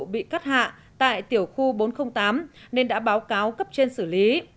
bị cắt hạ tại tiểu khu bốn trăm linh tám nên đã báo cáo cấp trên xử lý